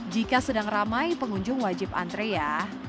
jika sedang ramai pengunjung wajib antre ya